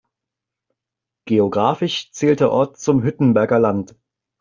Geografisch zählt der Ort zum Hüttenberger Land.